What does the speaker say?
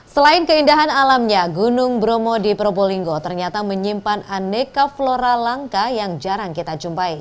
selain keindahan alamnya gunung bromo di probolinggo ternyata menyimpan aneka flora langka yang jarang kita jumpai